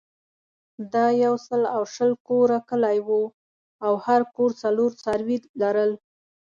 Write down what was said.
دا یو سل او شل کوره کلی وو او هر کور څلور څاروي لرل.